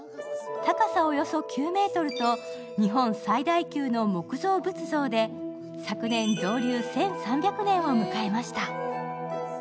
高さおよそ９ｍと日本最大級の木造仏像で昨年、造立１３００年を迎えました。